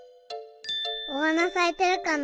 おはなさいてるかな？